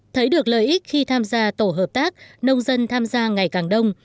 thấy được lợi ích khi tham gia tổ hợp tác nông dân tham gia ngày càng đông